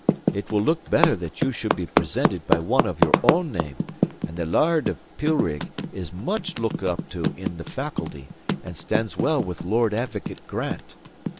It will look better that you should be presented by one of your own name; and the laird of Pilrig is much looked up to in the Faculty and stands well with Lord Advocate Grant.